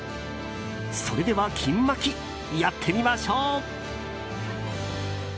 それでは、金まきやってみましょう。